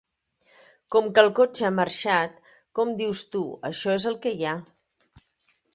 Com que el cotxe ha marxat, com dius tu, això és el que hi ha.